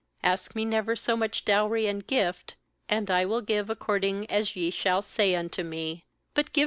12Ask me never so much dowry and gift, and I will give according as ye shall say unto me; but give